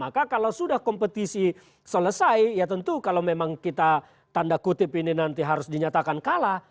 maka kalau sudah kompetisi selesai ya tentu kalau memang kita tanda kutip ini nanti harus dinyatakan kalah